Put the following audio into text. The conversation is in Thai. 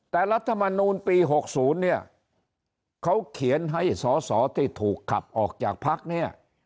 แต่รัฐมนูลปี๖๐เนี่ยเขาเขียนให้สอสอที่ถูกขับออกจากพักเนี่ย